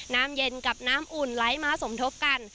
น้ำเย็นกับน้ำอุ่นไหลมาสมทบกัน